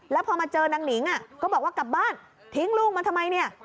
แล้วพอมาเจอนางหนิงก็บอกว่ากลับบ้านทิ้งลูกมาทำไมเนี่ย